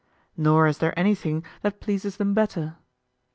Nor is there anything that pleases them better.